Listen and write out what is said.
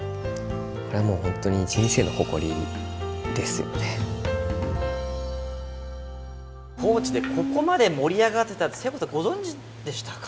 これはもう本当に高知でここまで盛り上がってたってせいこうさんご存じでしたか？